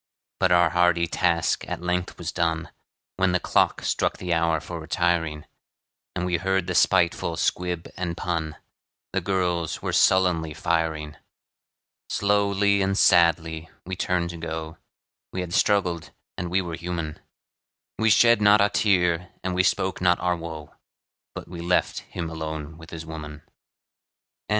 But our hearty task at length was done, When the clock struck the hour for retiring; And we heard the spiteful squib and pun The girls were sullenly firing. Slowly and sadly we turned to go, We had struggled, and we were human; We shed not a tear, and we spoke not our woe, But we left him alone with his woman.